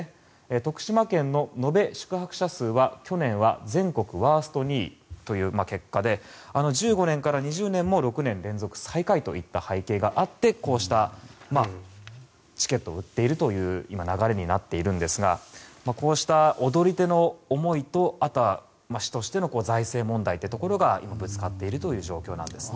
徳島県の延べ宿泊数は去年は全国ワースト２位という結果で１５年から２０年も６年連続最下位といった結果があってこうしたチケットを売っているという流れになっているんですがこうした踊り手の思いとあとは市としての財政問題がぶつかっている状況なんですね。